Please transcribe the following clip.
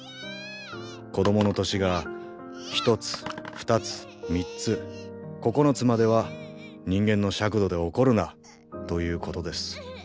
子供の年が１つ２つ３つ９つまでは人間の尺度で怒るなということです。